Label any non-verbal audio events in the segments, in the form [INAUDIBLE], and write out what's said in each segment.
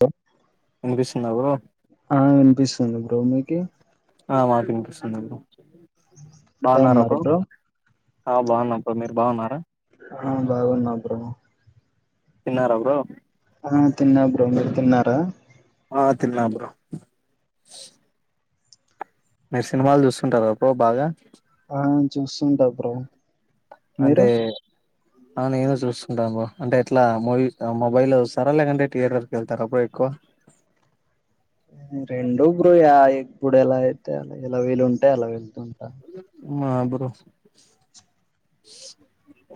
స వినిపిస్తుందా బ్రో ముందు బ్రో మీకి ఆహ్ మాకు ఇనిపిస్తుందండి ఎలా ఉన్నారు బ్రో ఆహ్ బావున్నాం బ్రో మీరు బావున్నారా ఆహ్ బాగున్నా బ్రో తిన్నరా బ్రో తిన్న బ్రో మీరు తిన్నారా ఆహ్ తిన్నా బ్రో మీరు సినిమాలు చూస్తుంటార బ్రో బాగా ఆహ్ చూస్తుంటా బ్రో మీరు అంటే ఆ నేను చూసుకుంటాను. బ్రో అంటే ఎట్లా మూవీ మొబైల్ లో చూస్తారా, లేకంటే థియేటర్కి వెళ్తార అప్పుడు ఎక్కువ రెండు బ్రో ఇప్పుడు ఎలా అయితే అ ఎలా వీలుంటే అలా వెళ్తుంటా అ [INAUDIBLE] బ్రో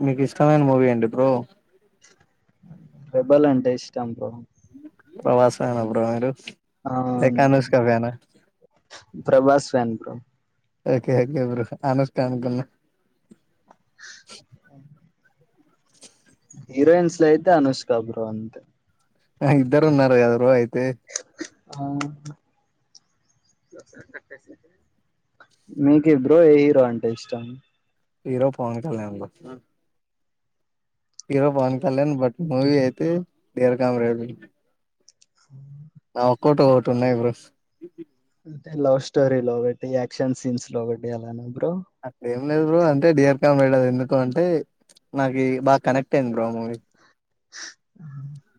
మీకు ఇష్టమైన మూవీ ఏంటీ బ్రో. రెబల్ అంటే ఇష్టం బ్రో. ప్రభాస్ అరా బ్రో. ఆ లేక అవును bro Anushka fan. Prabhas fan bro. Okay okay bro Anushka అనుకున్న. [INAUDIBLE] హీరోయిన్స్ లో అయితే అనుష్క బ్రో అంతే. ఇద్దరు ఉన్నారు కదా బ్రో అయితే. మీకు బ్రో ఏ హీరో అంటే ఇష్టం. Hero Pawan Kalyan bro. Hero Pawan Kalyan but movie అయితే డియర్ కామ్రేడ్. ఒకటే ఒకటి ఉన్నాయి బ్రో. అయితే లవ్ స్టోరీ లో ఒకటి యాక్షన్ సీన్స్ లో ఒకటి అలా. అంతే. లేదు బ్రో అంటే డియర్ కామ్రేడ్ ఎందుకు అంటే నాకి బాగా కనెక్ట్ అయింది. బ్రో ఆ మూవీ హ [INAUDIBLE]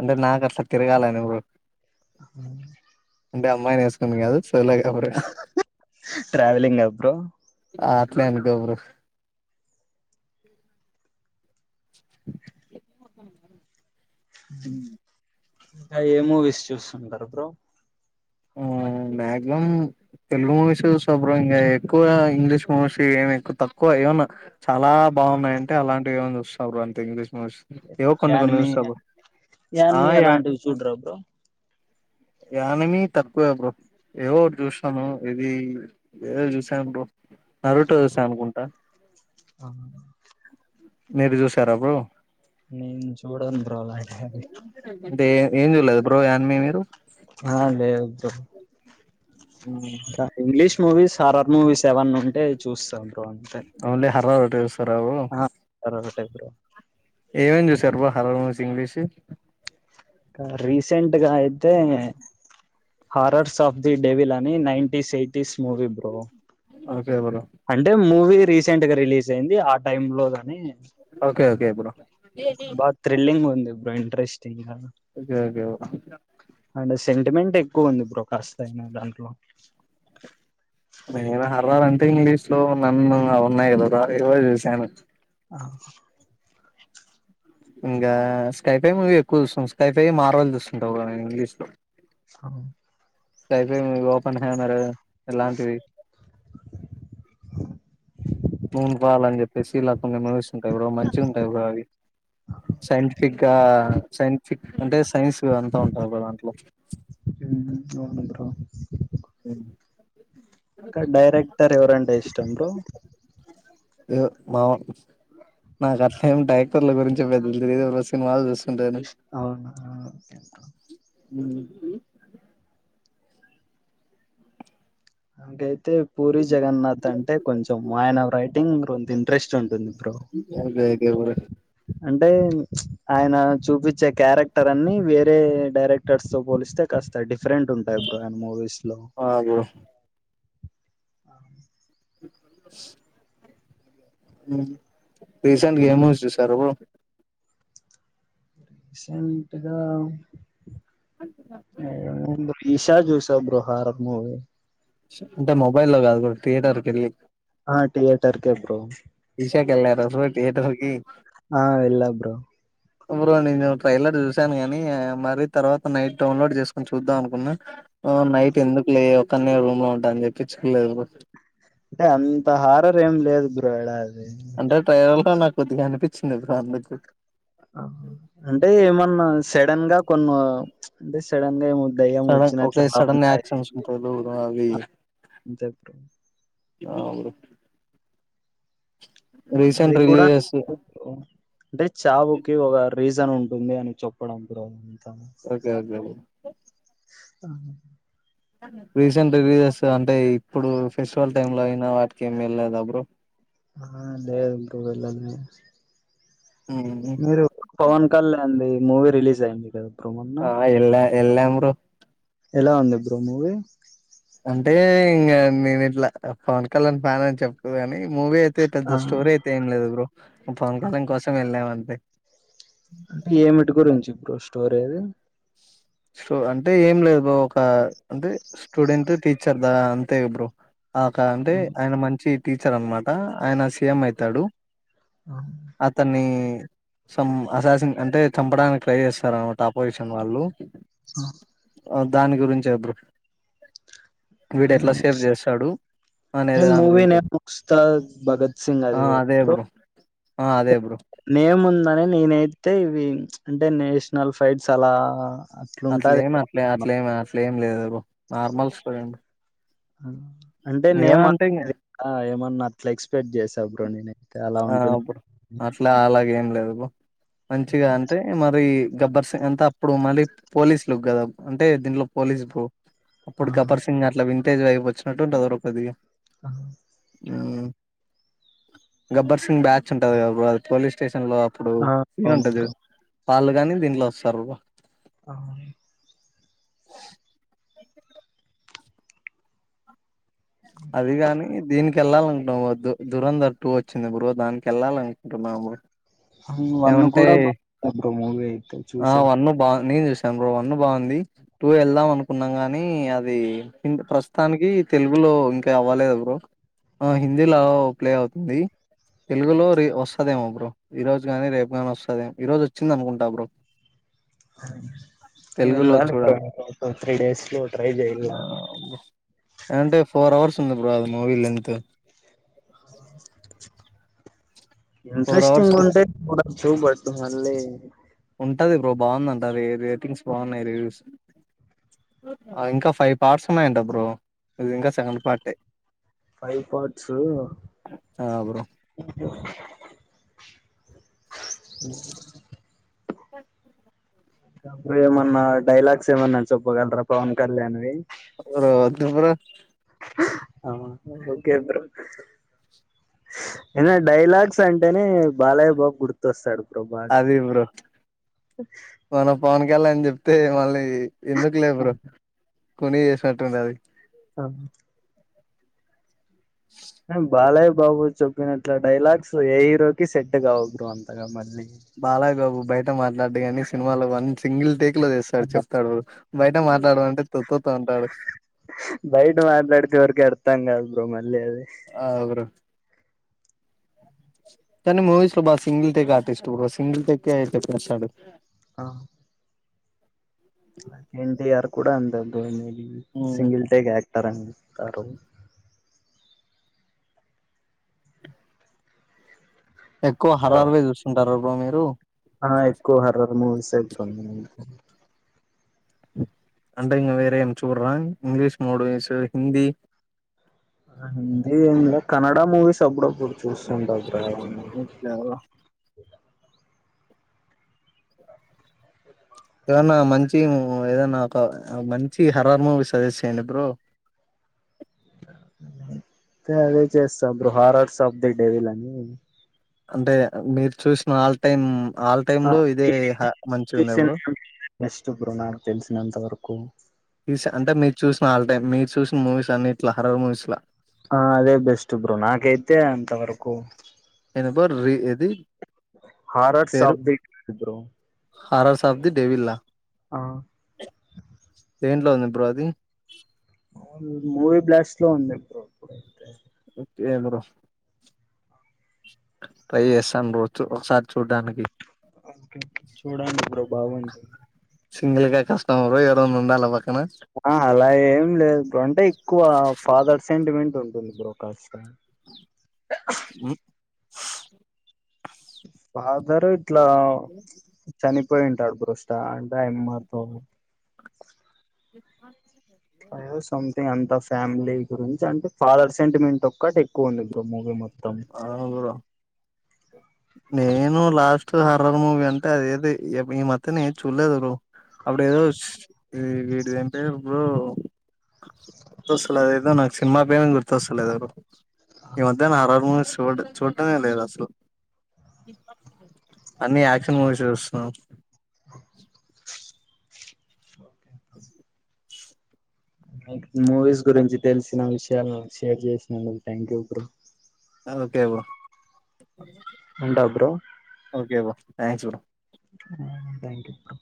అంటే నాకు అట్లా తీరగాలని బ్రో [UNINTELLIGIBLE] అంటే అమ్మాయిని వేసుకొని కాదు. సోలోగా బ్రో ట్రావెలింగ్ కదా బ్రో. లేనుగా బ్రో. [UNINTELLIGIBLE] [INAUDIBLE] ఇంకా ఏ మూవీస్ చూస్తుంటారు బ్రో. హు మ్యాక్సిమం తెలుగు మూవీస్ చూస్తా బ్రో ఇంకా ఎక్కువ ఇంగ్లీష్ మూవీస్ ఏమి ఎక్కువ తక్కువ ఏమన్నా చాలా బాగున్నాయింటే అలాంటివి ఏమనా చూస్తా బ్రో అంతే మూవీస్ ఏవో కొన్ని కొన్ని యానిమి చూస్తా బ్రో ఆ యానిమి యా అలాంటివి చూడరా బ్రో. యానిమి. తక్కువే బ్రో ఎవో చూసాను ఇది ఏదో చూసాను బ్రో. ఆ రొట్టె దోసె అనుకుంటా. ఆ మీరు చూశారా బ్రో. నేను చూడంను బ్రో అలాంటివి. అ ఏం చూడలేదు బ్రో యనిమవి. ఆ లేేదు సా క English movies are are movies ఏవన్నుంటే చూస్తా అవున్లే హర్రర్ ట్రెవ్స్ రావు ఆ ఒకటే బ్రో ఏమేం చూస్ సర్వ హర్రర్ మూవీస్ ఇంగ్లీష్ రీసెంట్ గా అయితే హారర్స్ ఆఫ్ ది డేవిల్ అని నైటిన్టీన్స్ యైటీస్ మూవీ బ్రో ఓ కేమల అంటే మూవీ రీసెంట్ గ రిలీజ్ అయింది ఆ టైమ్ లో గాని ఓకే ఓకే బ్రో బ థ్రిలింగ్ ఫ్రెండ్ ట్రెస్ okay okay bro and sentiment కువ ఉంది కాస్త అయినా దాంట్లో నేను హర్రర్ అంటే ఇంగ్లీష్ లో నన్ను అవున ఎరోరా ఏరో చూసాను ఆ ఇంకా స్కైఫై మూవీ ఎక్కువ చూసం స్కైఫై మార్వల్ చూస్తుంటా ఇంగ్లీషులో స్కైఫై ఓపెన్ హైమర్ ఇలాంటివి మూన్ పాల్ అన్ చెప్పేసి ఇల కొన్ని మూవిస్ ఉంటయి బ్రో మంచిగ ఉంటయి బ్రో అవి సైంటిఫిక్ ఇంకా సైంటిఫిక్ అంటే సైన్స్ అంత ఉంటాది బ్రో దాంట్లో ఉమ్ అవున్ బ్రో క డైరెక్టర్ ఎవరంటే ఇష్టం బ్రో ఉ మా నాకట్లేం డైరెక్టర్ల గురించి పెద్ద తేలిదు ఎవ్రో సినిమాలు చూస్ అవునా మీకీ నాకైతే పూరి జగన్నాథ్ అంటే కొంచెం ఆయన రైటింగ్ రొంత ఇంట్రెస్ట్ ఉంటుంది బ్రో అయితే ఒకే బ్రో అంటే ఆయన చూపిచే క్యారెక్టర్ అన్ని వేరే డైరెక్టర్స్ తో పోలిస్తే కాస్త డిఫ్ ఫ్రెంట్ ఉంటాయి బ్రో ఆయన మూవీస్ లో ఆ బ్రో [INAUDIBLE] ఉ రీసెంట్ గ ఏం మూవీస్ చూసారు రీసెంట్ గా ఏం చులే ఈషా చూస బ్రో హారర్ర్ మూవీ. అంటే మొబైల్లో లో కాదు బ్రో థియేటర్కి ఎళ్ళి ఆ థియేటర్ కే బ్రో విషాక ఎళ్లార బ్రో థియేటర్ కి ఆ వెళ్లా బ్రో బ్రో నేను ట్రైలర్ చూశాను గాని మరీ తర్వాత నైట్ డౌన్లోడ్ చేసుకొని చూద్దాం అనుకున్నా. ఉమ్ నైట్ ఎందుకు లే ఒక్కన్నే రూమ్ లో ఉంటా అని చెప్పి చూడలేదు బ్రో. అంటే అంత హారర్ర్ ఏం లేదు బ్రో ఆడ అంటే ట్రైలర్ నాకు కొద్దిగా అనిపించింది బ్రో అందుకు. ఆహా అంటే ఏమన్నా సడన్ గా కొన్ని అంటే సడన్ గా ఏమ సడన్ ఒకే సడన్ యాక్షన్స్ ఉంటాయి. [UNINTELLIGIBLE] జప్ట్ [UNINTELLIGIBLE] అది రీసెంట్ కూడా రిలీజెస్ అంటే చావుకి ఒక రీజ రీజన్ ఉంటుంది అని చెప్పడానికి కూడ [INAUDIBLE] ఓకే ఓకే బ్రో ఆహా రీసెంట్ రిలీజ్సే అంటే ఇప్పుడు ఫెస్టివల్ టైమ్ లో అయిన వాటికి ఏం వెళ్లేదా బ్రో. ఆ లేదు బ్రో వెళ్ళలే ఉమ్ మీరు పవన్ కళ్యాణ్ ది మూవీ రిలీజ్ అయింది కదా బ్రో మొన్న ఆ ఎళ్లా ఎల్లాం బ్రో. ఎలా వుంది బ్రో మూవీ. అంటే ఇంగా మేము ఇట్లా పవన్ కళ్యాణ్ ఫ్యాన్ అని చెప్పొద్దు కాని. మూవీ అయితే ఆ పెద్ద స్టోరీ అయితే ఏం లేదు బ్రో పవన్ కళ్యాణ్ కోసం వెళ్ళాం అంతే. అంటే ఏమిటి గురించి బ్రో స్టోరి ఏది స్టో అంటే ఏం లేదు బ్రో ఒక అంటే స్టూడెంట్ టీచర్ దా అంతే బ్రో. ఆ కా అంటే ఆహా! ఆయన మంచి టీచర్ అన్నమాట ఆయన సీఎం అయితాడు. ఆహా! అతన్నీ సమ్ అసాస అంటే చంపడానికి ట్రై చేస్తారు అన్నమాట ఆపొజిషన్ వాళ్ళు. హ ఆ దాని గురించే బ్రో వీడు ఎట్లా సేవ్ ముస్ చేస్తాడు ఈ అనేది దాని మూవీ గురించి నేమ్ ముక్స్తాద్ భగత్ సింగ్ ఆ అది కదా అదే బ్రో ఆ అదే బొ నేముందని నేనైతే ఇవి అంటే నేషనల్ ఫైట్స్ అలా అట్లుంటది అట్లేమి ఏమో అట్లే అనుకున్నా. అట్లేమి అట్లే ఏం లేదు నార్మల్ స్టూడెంట్ ఆ అంటే నేమ్ [UNINTELLIGIBLE] అట్లా ఎక్స్ ఎక్స్పెక్ట్ చేసా బ్రో నేనైతే అలా ఆ ఉంటుందనీ బ్రో అట్లా అలాగే ఏం లేదు బ్రో మంచిగా అంటే మరి గబ్బర్ సింగ్ అంతా అప్పుడు మళ్ళీ పోలీసులు కదా అంటే దీంట్లో పోలీసు బ్రో ఆ అప్పుడు గబ్బర్ సింగ్ అట్లా విన్ వింటేజ్ వైబ్ వచ్చినట్టుంటంది బ్రో కొద్దిగా ఆ మ్ గబ్బర్ సింగ్ బ్యాచ్ ఉంటది కదా బ్రో అది పోలీస్ స్టేషన్ లో అప్పుడు ఆ, సీన్ అవును ఉంటది బ్రో చూడు వాళ్ళు గాని దీంట్లో వస్తారు బ్రో ఆహ అది కాని దీనికి ఎళ్ళాలనుకుంటన్నాం దు-దురంధర్ టూ వచ్చింది బ్రో దానికి ఎళ్ళాలి అనుకుంటున్నా బ్రో వన్ను కూడా బాంది బ్రో మూవీ అయితే చూసా సాం బ్రో వన్ బాగుంది టూ వెళ్దాం అనుకున్నాం గాని అది ఇంక్ ప్రస్తుతానికి తెలుగులో ఇంకా అవ్వలేదు బ్రో ఆ హిందిలో ప్లే అవుతుంది తెలుగులో రి వస్తుదేమో బ్రో ఈరోజు గాని రేపు గాని వస్తది ఈ రోజు వచ్చింది అనుకుంటా బ్రో తెలుగులో వెళ్ళాలి బ్రో చూడాలి ఇంక త్రీ డేస్ లో ట్రై చేయ్యల ఆ వుంది బ్రో అది movie length four hours interesting ఉంటే పోద టు వర్త్ మళ్ళీ ఉంటది బ్రో బాగుందంట అది రేటింగ్స్ బాగున్నాయి రివ్యూస్ ఆ ఇంకా ఫైవ్ పార్ట్స్ ఉన్నాయంట బ్రో ఇది ఇంకా సెకండ్ పార్టే ఫైవ్ పార్ట్స్ ఆ బ్రో అప్పుడేమన్నా డైలాగ్స్ ఏమన్నా చెప్పగలరా పవన్ కళ్యాణ్ వి పోవద్దు బ్రో ఆ ఓకే బ్రో ఏన్న డైలాగ్స్ అంటేనే బాలయ్య బాబు గుర్తొస్తాడు బ్రో బాగా అది బ్రో పోన పోన్ ఎల అని చెప్తే మళ్ళీ ఎందుకులే బ్రో కొనీ చేసినట్టుంటది అ బాలయ్య బాబు చెప్పినట్ల డైలాగ్స్ ఏ హీరోకిి సెట్ కావు బ్రో అంతగా మళ్ళీ బాల్లాయ్యబాబు బయట మాట్లాడు కాని సినిమాలో మంచి సింగిల్ టేక్ లో చేస్తారు చెప్తారు బ్రో బయట మాట్లాడడం అంటే టుప్ బయట మాట్లాడితె ఎవరికి అర్ అర్థం కాదూ బ్రో మల్ లెదే తను మూవీస్ లో బా single take artist bro single take ఏ ఐపోస్తాడు ఆ వ ఎంటియారు కూడా అంతె బ్రో నీ ఉమ్. సింగిల్ టేక్ యాక్టర్ అండి కరు ఎక్కువ హరారువే చూస్తుంటారు అ మీరు ఆ ఎక్కువ హర్రర్ మూవీస్ అతుంది అంట ఇంకా వేరే ఏం చూడరా ఇంగ్లీష్ మోడు ఇం సొ హిందీ రండ్లి ఏండక్ కన్నడ మూవీస్ అపుడపుడు చూస్తుంట బ్రో ఏదన్నా మంచి ఏదన్నా ఒక మంచి హరార్ మూవీ సజెస్ట్ చేయ్యండి బ్రో అదే చేస్తా బ్రో హారర్స్ ఆఫ్ ది డేవిలని అంటే మీరు చూసిన ఆల్ టైమ్ ఆల్ టైమ్ లో ఇదే మంచిగా ఉందా బ్రో బెస్ట్ బ్రో నా తెన్సినంత వరకు కు అంటే మీరు చూసిన ఆల్ టైమ్ మీరు చూసిన మూవీస్ అన్నిట్లా హరర్ మూవీస్లా ఆ అదే బెస్ట్ ఇ బ్రో నాకైతే అంత వరకు బరి ఇది horrors of the bro horror of the డేవిల ఆ దేంట్లో ఉంది బ్రో అది మూవీ బ్లాస్ట్లో ఉంది బ్రో ఒకే బ్రో ట్రై చేస్తాను బ్రో ఒక సారి చూడడానికి ఓకే చూడండి బ్రో బాగుంది సింగిల్గా కష్టం బ్రో ఎవరు అన్న ఉందా లవర్ ఆ అలా ఏం లేదు బ్రో అంటే ఎక్కువ ఫాదర్ సెంటిమెంట్ ఉంటుంది బ్రో కర్చ్ [UNINTELLIGIBLE] [UNINTELLIGIBLE] ఫాదరే ఇట్లా చని అప్పుడే వింటాడు బ్రో స్టాండ్ అమ్మతో [UNINTELLIGIBLE] అదో సంథింగ్ అంతాస్ ఫ్యామిలీ గురించి అంటే ఫాదర్ సెంటిమెంట్ ఒక్కటి ఎక్కువ ఉంది బ్రో మూవీ మొ ఆహా [INAUDIBLE] నేను లాస్ట్ టూ హర్రర్ మూవీ అంటే అది ఏది ఈ మధ్యన ఏది చూడలేదు బ్రో అప్పుడు ఏదో వీడిది ఏం పేరు బ్రో గుర్తొస్తలేదు అదేదో నాకు సినిమా పేరు గుర్తొస్తలేదు. ఈ మధ్యన హార్రర్ మూవీస్ చూడ్ చూడమేలేదు అసలు అన్ని యాక్షన్ మూవీస్ చూస్తున్నావ్ [INAUDIBLE] మూవీస్ గురించి తెలిసిన విషయలును షేర్ చేసినందుకు థ్యాంక్ యూ బ్రో అ ఒకే బ్రో ఉంటావ్ bro okay bro thanks bro హ్ థ్యాంక్యూ బ్రో